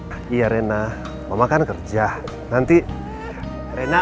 mama bolehkah aku ikut camp